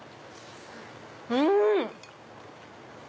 うん！